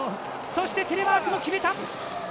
そしてテレマークも決めた。